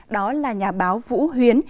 đó là nhà báo vũ huyến